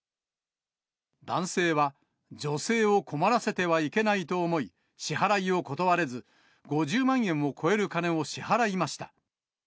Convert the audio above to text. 男性は、女性を困らせてはいけないと思い、支払いを断れず、５０万円を超える金を支払いました。